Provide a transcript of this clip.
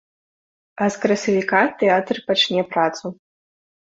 А з красавіка тэатр пачне працу.